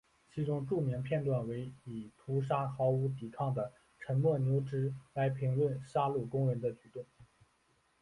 其中著名片段为以屠杀毫无抵抗的沉默牛只来评论杀戮工人的举动。